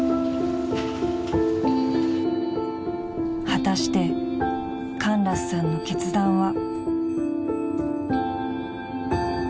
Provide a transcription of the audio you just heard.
［果たしてカンラスさんの決断は］